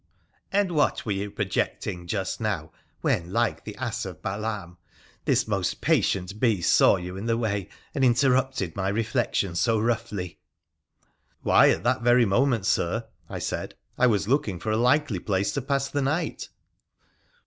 ' And what were you projecting just now when, like the ass of Balaam, this most patient beast saw you in the way and interrupted my reflection so roughly ?'' Why, at that very moment, Sir,' I said, ' I was looking for a likely place to pass the night.'